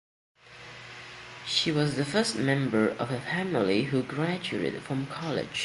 She was the first member of her family who graduated from college.